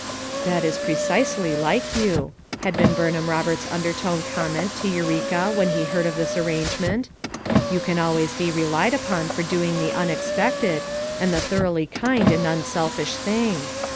That is precisely like you," had been Burn *m FOUR MOTIIERS AT CHAUTAUQUA 279 ham Roberts's undertone eorament to Eureka when he heard of this arrangement. "You can always be relied upon for doing the unex pected, and the thoroughly kind and unselfish thing.